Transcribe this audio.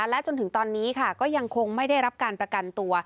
และจนถึงตอนนี้ค่ะก็ยังคงไม่ได้รับการประกันตัว